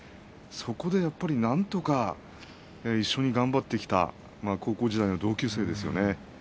そこでなんとか一緒に頑張ってきた高校時代の同級生ですよね